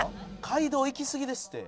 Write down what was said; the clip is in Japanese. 「街道行きすぎですって」